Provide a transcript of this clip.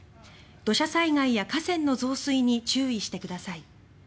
土砂災害や河川の増水に注意してください。